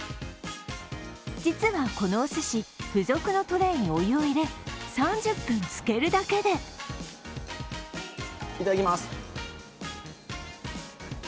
実はこのおすし、付属のトレーにお湯を入れ３０分つけるだけでいただきます。